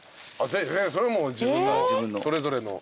それはもう自分のそれぞれの。